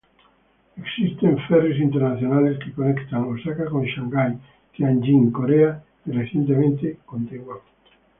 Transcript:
Existen "ferries" internacionales que conectan Osaka con Shanghái, Tianjin, Corea y recientemente con Taiwán.